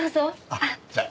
あっじゃあ。